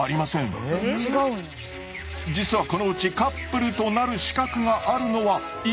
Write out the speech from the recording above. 実はこのうちカップルとなる資格があるのは１羽のボスだけ。